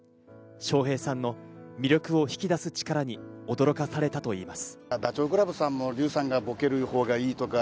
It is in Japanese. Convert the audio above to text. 笑瓶さんの魅力を引き出す力に驚かされたといいます。